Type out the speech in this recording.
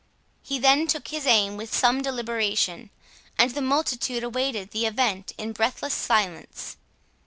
He then took his aim with some deliberation, and the multitude awaited the event in breathless silence.